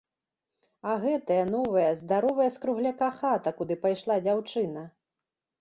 А гэтая, новая, здаровая, з кругляка хата, куды пайшла дзяўчына!